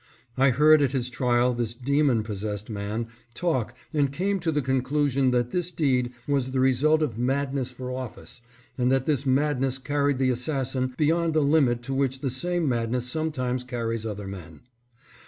I heard at his trial this demon possessed man talk, and came to the conclusion that this deed was the result of madness for office, and that this madness carried the assassin beyond the limit to which the same madness sometimes carries other men.